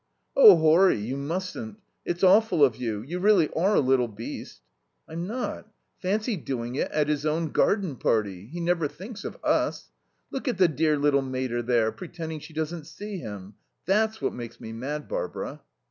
"Oh, Horry, you mustn't. It's awful of you. You really are a little beast." "I'm not. Fancy doing it at his own garden party. He never thinks of us. Look at the dear little mater, there, pretending she doesn't see him. That's what makes me mad, Barbara."